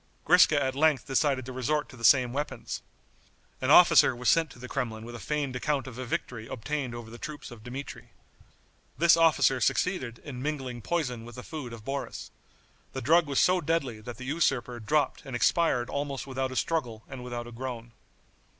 Griska at length decided to resort to the same weapons. An officer was sent to the Kremlin with a feigned account of a victory obtained over the troops of Dmitri. This officer succeeded in mingling poison with the food of Boris. The drug was so deadly that the usurper dropped and expired almost without a struggle and without a groan.